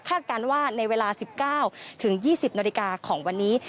คาดการณ์ว่าในเวลา๑๙ถึง๒๐นของวันนี้